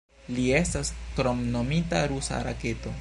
Li estas kromnomita "Rusa Raketo".